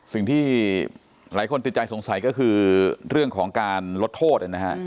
สิ่งที่หลายคนติดใจสงสัยก็คือเรื่องของการลดโทษนะฮะ